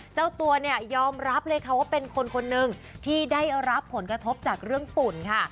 เจ้าตัวเนี่ยยอมรับเลยค่ะว่าเป็นคนคนหนึ่งที่ได้รับผลกระทบจากเรื่องฝุ่นค่ะ